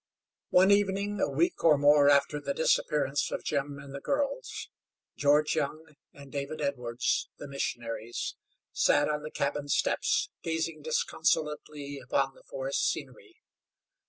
One evening a week or more after the disappearance of Jim and the girls, George Young and David Edwards, the missionaries, sat on the cabin steps, gazing disconsolately upon the forest scenery.